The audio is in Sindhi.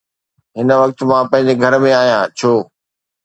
هن وقت، مان پنهنجي گهر ۾ آهيان، ڇو؟